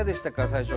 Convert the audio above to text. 最初。